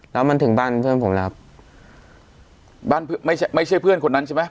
แล้วมันถึงบ้านเพื่อนผมแล้วครับบ้านไม่ใช่ไม่ใช่เพื่อนคนนั้นใช่ไหม